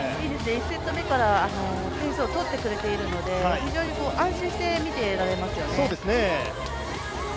１セット目から点数を取ってくれているので非常に安心して見ていられますよね。